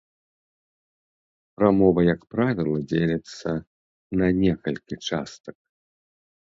Прамова, як правіла, дзеліцца на некалькі частак.